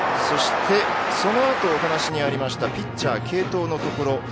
そしてそのあとお話にありましたピッチャー継投のところ。